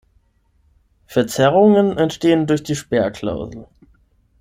Verzerrungen entstehen durch die Sperrklausel.